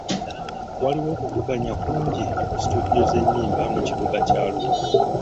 Waliwo okuvuganya kungi mu situdiyo z'ennyimba mu kibuga kya Arua.